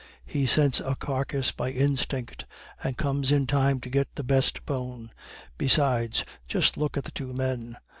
He scents a carcass by instinct, and comes in time to get the best bone. Besides, just look at the two men.